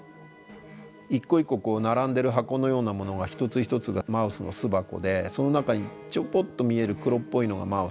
一個一個並んでる箱のようなものが一つ一つがマウスの巣箱でその中にちょこっと見える黒っぽいのがマウスなんですね。